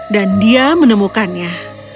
dan dia menemukannya